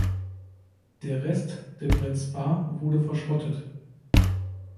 Der Rest der Brent Spar wurde verschrottet.